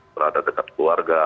berada dekat keluarga